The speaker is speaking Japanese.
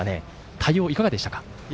対応、いかがでした？